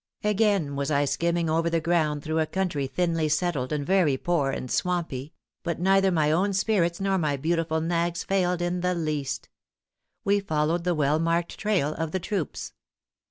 Again was I skimming over the ground through a country thinly settled, and very poor and swampy; but neither my own spirits nor my beautiful nag's failed in the least. We followed the well marked trail of the troops.